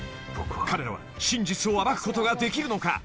［彼らは真実を暴くことができるのか？］